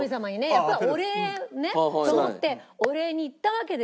やっぱりお礼と思ってお礼に行ったわけですよ。